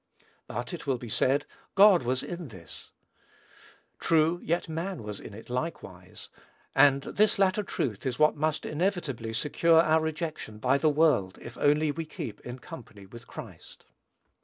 "But," it will be said, "God was in this." True; yet man was in it likewise; and this latter truth is what must inevitably secure our rejection by the world, if only we keep in company with Christ.